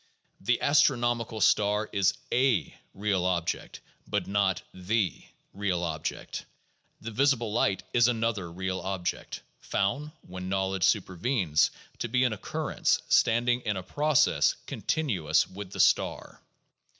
The astronomical star is a real object, but not "the" real object; the visible light is another real object, found, when knowledge supervenes, to be an occurrence standing in a process continuous with the star.